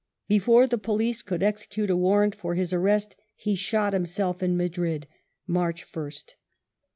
Before the police could execute a warrant for his arrest he shot himself in Matirid (March 1st).